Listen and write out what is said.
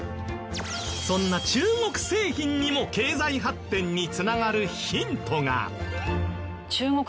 そんな中国製品にも経済発展に繋がるヒントが！